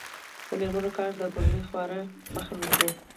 د میرمنو کار د کورنۍ خوارۍ مخه نیسي.